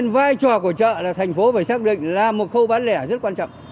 vai trò của chợ là thành phố phải xác định là một khâu bán lẻ rất quan trọng